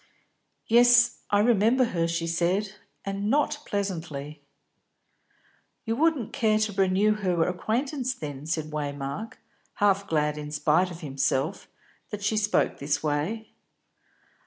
"Yes, I remember her," she said, "and not pleasantly." "You wouldn't care to renew her acquaintance then?" said Waymark, half glad, in spite of himself, that she spoke in this way.